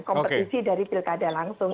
kompetisi dari pilkada langsung